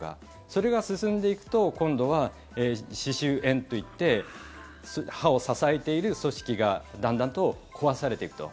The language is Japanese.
それが進んでいくと今度は歯周炎といって歯を支えている組織がだんだんと壊されていくと。